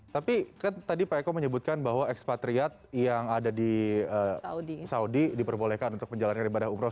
tapi kan tadi pak eko menyebutkan bahwa ekspatriat yang ada di saudi diperbolehkan untuk menjalankan ibadah umrah